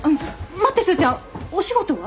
待ってスーちゃんお仕事は？